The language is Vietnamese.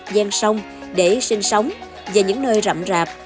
gian sông để sinh sống và những nơi rậm rạp